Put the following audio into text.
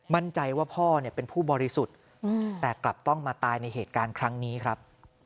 มั่นใจว่าพ่อเป็นผู้บริสุทธิ์แต่กลับต้องมาตายในเหตุการณ์ครั้งนี้ครับ